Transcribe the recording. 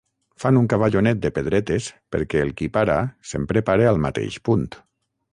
Fan un cavallonet de pedretes, perquè el qui para sempre pare al mateix punt.